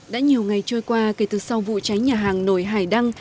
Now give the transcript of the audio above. đã nhiều ngày trôi qua kể từ sau vụ cháy nhà hàng nổi hải đăng